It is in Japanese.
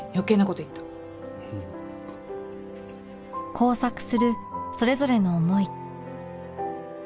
交錯するそれぞれの思い